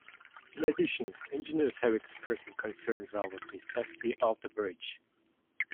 In addition, engineers have expressed concerns over the safety of the bridge.